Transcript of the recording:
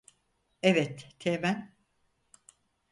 Evet, Teğmen.